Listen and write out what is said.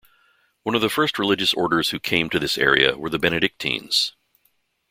One of the first religious orders who came to this area were the Benedictines.